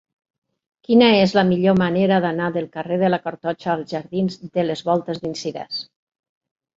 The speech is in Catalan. Quina és la millor manera d'anar del carrer de la Cartoixa als jardins de les Voltes d'en Cirés?